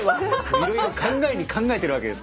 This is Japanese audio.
いろいろ考えに考えてるわけですか。